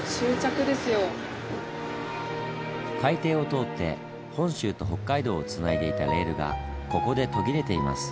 海底を通って本州と北海道をつないでいたレールがここで途切れています。